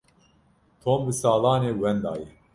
Tom bi salan e wenda ye.